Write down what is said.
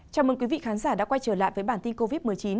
chào mừng quý vị khán giả đã quay trở lại với bản tin covid một mươi chín